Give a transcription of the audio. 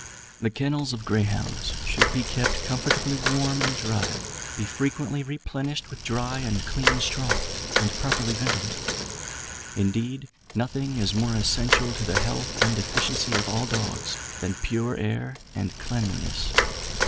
The kennels of greyhounds should be kept comfortably warm and dry, be frequently replenished with dry and clean straw, and properly ventilated. Indeed, nothing is more essential to the health and efficiency of all dogs than pure air and cleanliness.